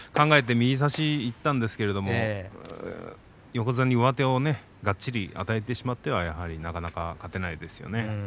右差し考えていったんですけども横綱に上手をがっちり与えてしまってはなかなか勝てないですよね。